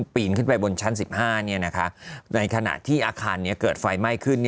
ปีนขึ้นไปบนชั้น๑๕ในขณะที่อาคารนี้เกิดไฟไหม้ขึ้น